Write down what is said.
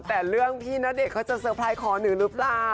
แต่เรื่องพี่ณเดชน์เค้าจะซับไพรด์ย์ว่าขอหนูหรือเปล่า